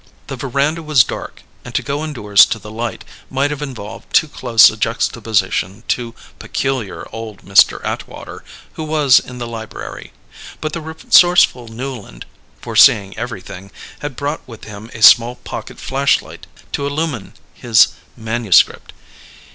The veranda was dark, and to go indoors to the light might have involved too close a juxtaposition to peculiar old Mr. Atwater who was in the library; but the resourceful Newland, foreseeing everything, had brought with him a small pocket flashlight to illumine his manuscript.